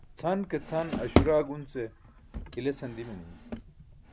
chan ke chan Aśura gunce hilesan dimanimi